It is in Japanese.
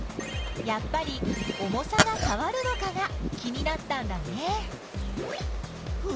やっぱり重さがかわるのかが気になったんだね。